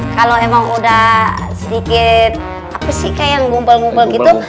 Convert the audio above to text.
kalau emang udah sedikit apa sih kayak yang ngumpul ngumpul gitu